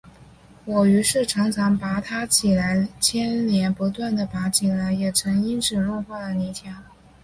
我于是常常拔它起来，牵连不断地拔起来，也曾因此弄坏了泥墙